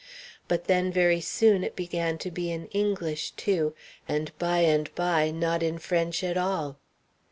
But then very soon it began to be in English too, and by and by not in French at all.